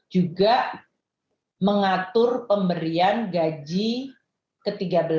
juga mengatur pemberian gaji ke tiga belas